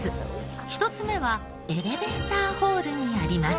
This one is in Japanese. １つ目はエレベーターホールにあります。